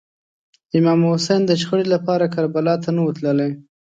امام حسین د شخړې لپاره کربلا ته نه و تللی.